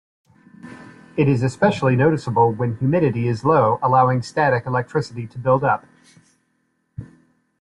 It is especially noticeable when humidity is low, allowing static electricity to build up.